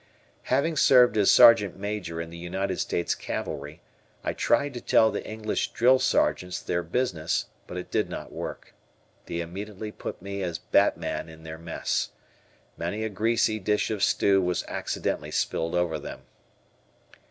Having served as Sergeant Major in the United States Cavalry, I tried to tell the English drill sergeants their business but it did not work. They immediately put me as batman in their mess. Many a greasy dish of stew was accidentally spilled over them.